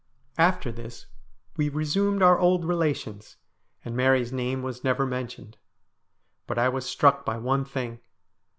After this we resumed our old relations, and Mary's name was never mentioned. But I was struck by one thing.